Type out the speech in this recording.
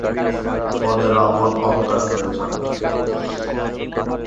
ফলে রাবণ অজ্ঞান হয়ে যান।